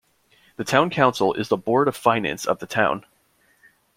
The town council is the board of finance of the town.